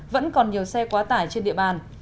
vẫn còn nhiều xe quá tải trên địa bàn